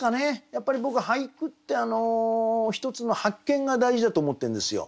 やっぱり僕俳句って一つの発見が大事だと思ってるんですよ。